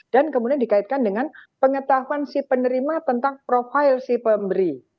dan kemudian dikaitkan dengan pengetahuan si penerima tentang profil si pemberi